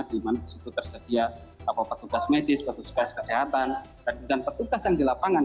di mana di situ tersedia petugas medis petugas kesehatan dan petugas yang di lapangan